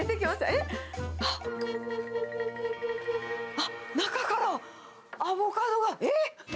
えっ？あっ、あっ、中からアボカドが。えっ？